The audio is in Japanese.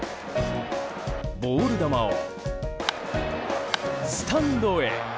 ボール球をスタンドへ。